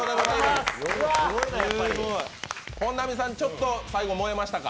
本並さん、ちょっと最後、燃えましたか？